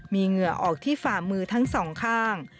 มีเหงื่อออกที่ฝ่ามือทั้งสองข้าง